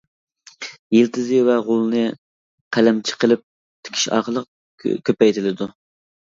يىلتىزى ۋە غولىنى قەلەمچە قىلىپ تىكىش ئارقىلىق كۆپەيتىلىدۇ.